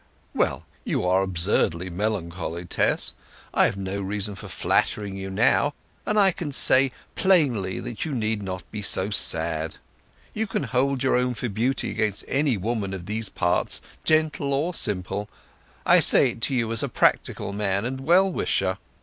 "Well, you are absurdly melancholy, Tess. I have no reason for flattering you now, and I can say plainly that you need not be so sad. You can hold your own for beauty against any woman of these parts, gentle or simple; I say it to you as a practical man and well wisher.